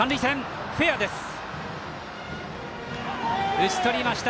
打ち取りました。